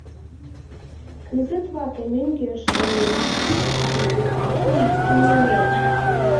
Кызыт вате мӧҥгеш толын, шке титакшым ыҥылен.